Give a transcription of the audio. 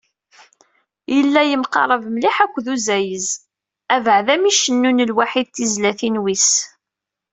Yella yemqarab mliḥ akked uzayez, abeɛda mi cennun lwaḥi tizlatin-wis.